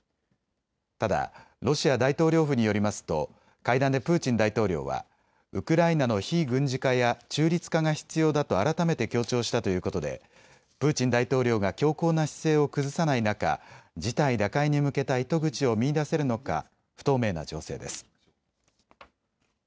ただロシア大統領府によりますと会談でプーチン大統領はウクライナの非軍事化や中立化が必要だと改めて強調したということでプーチン大統領が強硬な姿勢を崩さない中、事態打開に向けた糸口を見いだせるのか不透明な情勢です。